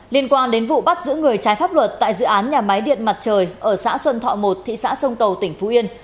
liên quan đến vụ bắt giữ người trái pháp luật tại dự án nhà máy điện mặt trời ở xã xuân thọ một thị xã sông cầu tỉnh phú yên